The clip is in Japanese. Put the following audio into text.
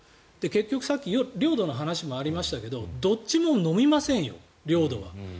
結局、さっき領土の話もありましたがどっちものみませんよ、領土は。